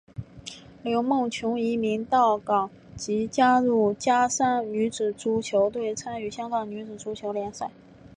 刘梦琼移民到港即加入加山女子足球队参加香港女子足球联赛。